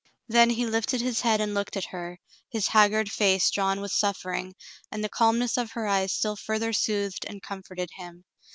Then he lifted his head and looked at her, his haggard face drawn with suffering, and the calmness of her eyes still further soothed and comforted him.